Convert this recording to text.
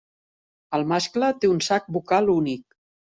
El mascle té un sac vocal únic.